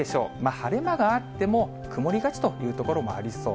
晴れ間があっても、曇りがちという所もありそう。